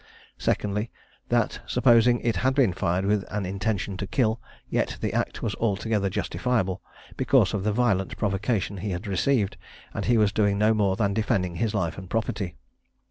"Secondly That, supposing it had been fired with an intention to kill, yet the act was altogether justifiable, because of the violent provocation he had received; and he was doing no more than defending his life and property.